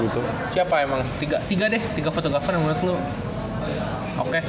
tiga apa emang tiga deh tiga fotografer yang menurut lo oke